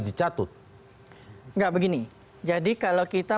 sehingga darahnya jatih jejak ke supernatural